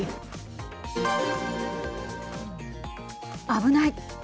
危ない。